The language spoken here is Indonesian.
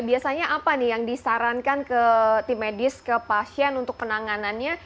biasanya apa nih yang disarankan ke tim medis ke pasien untuk penanganannya